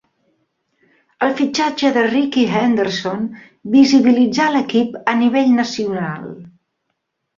El fitxatge de Rickey Henderson visibilitzà a l'equip a nivell nacional.